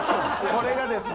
これがですね